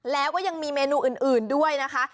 แล้วก็ยังมีเมนูอื่นด้วยนะคะ